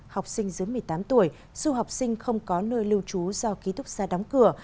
học sinh dưới một mươi tám tuổi dù học sinh không có nơi lưu trú do ký túc xa đóng cửa